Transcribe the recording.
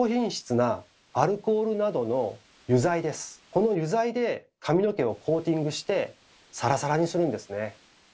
この油剤で髪の毛をコーティングしてサラサラにするんですね。